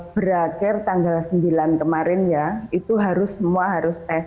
berakhir tanggal sembilan kemarin ya itu harus semua harus tes